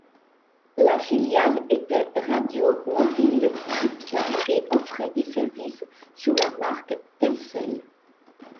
La filiale était Radio Móvil Dipsa, et offrait des services sous la marque Telcel.